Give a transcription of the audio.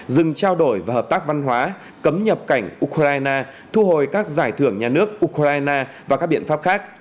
dừng trao đổi và hợp tác văn hóa cấm nhập cảnh ukraine thu hồi các giải thưởng nhà nước ukraine và các biện pháp khác